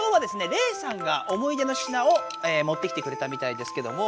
レイさんが思い出の品をえもってきてくれたみたいですけども。